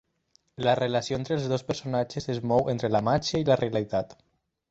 La relació entre els dos personatges es mou entre la màgia i la realitat.